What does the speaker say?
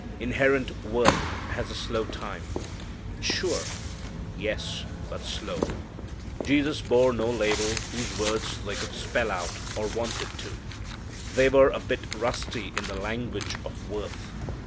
Inherent worth has a slow time. But sure? Yes, but slow. Jesus bore no label whose words they could spell out or wanted to. They were a bit rusty in the language of worth.